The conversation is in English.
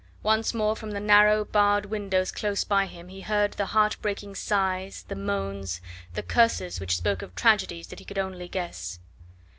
Once more from the narrow, barred windows close by him he heard the heart breaking sighs, the moans, the curses which spoke of tragedies that he could only guess.